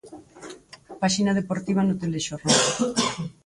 Páxina deportiva no Telexornal.